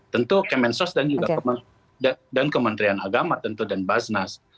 tentu kementsos dan juga kementerian agama tentu dan basnas